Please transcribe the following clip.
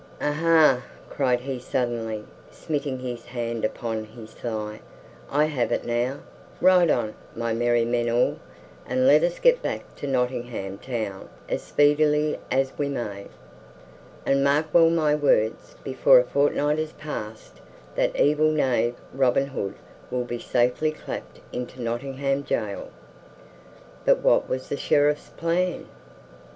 "Aha!" cried he suddenly, smiting his hand upon his thigh "I have it now! Ride on, my merry men all, and let us get back to Nottingham Town as speedily as we may. And mark well my words: before a fortnight is passed, that evil knave Robin Hood will be safely clapped into Nottingham gaol." But what was the Sheriff's plan?